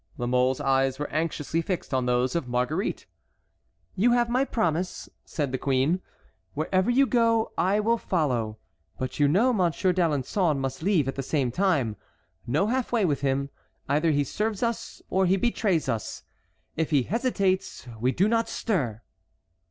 La Mole's eyes were anxiously fixed on those of Marguerite. "You have my promise," said the queen. "Wherever you go, I will follow. But you know Monsieur d'Alençon must leave at the same time. No half way with him; either he serves us or he betrays us. If he hesitates we do not stir."